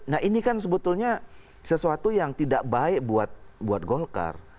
nah ini kan sebetulnya sesuatu yang tidak baik buat golkar